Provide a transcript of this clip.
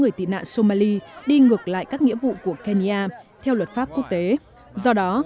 người tị nạn somali đi ngược lại các nghĩa vụ của kenya theo luật pháp quốc tế do đó